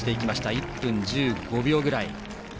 １分１５秒ぐらい。